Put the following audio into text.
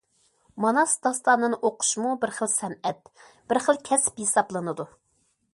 ماناس داستانىنى ئوقۇشمۇ بىر خىل سەنئەت، بىر خىل كەسىپ ھېسابلىنىدۇ.